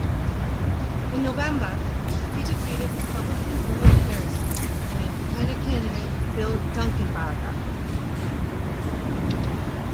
In November, he defeated Republican Vernon Harrison and Independent Candidate Phil Dunkelbarger.